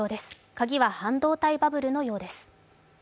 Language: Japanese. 鍵は半導体バブルのようです。